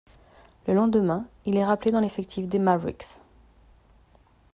Le lendemain, il est rappelé dans l'effectif des Mavericks.